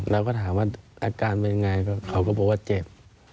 แล้วก็ถามภาษาอาการเป็นไงเขาก็บอกว่าเจ็บ